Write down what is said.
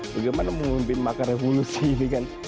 bagaimana memimpin makar revolusi ini kan